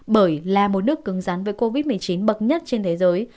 bởi là một nước cứng rắn với covid một mươi chín bậc nhất trên thế giới